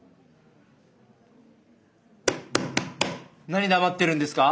何黙ってるんですか？